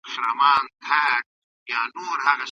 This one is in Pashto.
دا شراکت دوامدار دی.